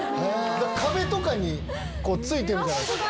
壁とかに付いてるじゃないですか。